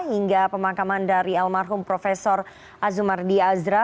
hingga pemakaman dari almarhum prof azumardi azra